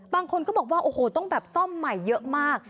บางคนก็บอกว่าโอ้โหต้องแบบซ่อมใหม่เยอะมาก